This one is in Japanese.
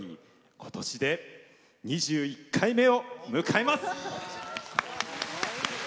今年で２１回目を迎えます。